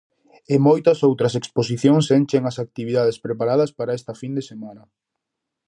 E moitas outras exposicións enchen as actividades preparadas para esta fin de semana.